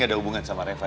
ini ada hubungan sama reva